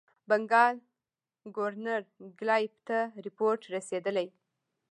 بنکال ګورنر کلایف ته رپوټ رسېدلی.